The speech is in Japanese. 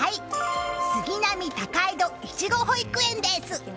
杉並たかいどいちご保育園です。